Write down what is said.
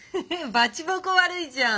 バチボコ悪いじゃん。